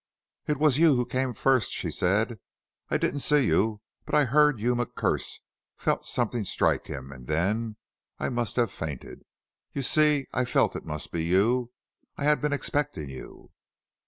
"It was you who came first," she said; "I didn't see you, but I heard Yuma curse, felt something strike him, and then I must have fainted. You see, I felt it must be you I had been expecting you."